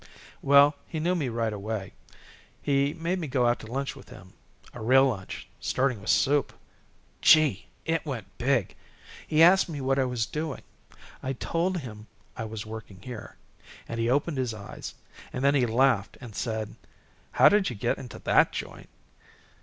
"Well, he knew me right away. And he made me go out to lunch with him. A real lunch, starting with soup. Gee! It went big. He asked me what I was doing. I told him I was working here, and he opened his eyes, and then he laughed and said: 'How did you get into that joint?'